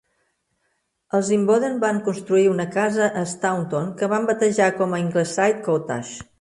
Els Imboden van construir una casa a Staunton que van batejar com a "Ingleside Cottage".